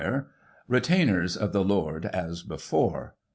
Retainers of the Lord, as before.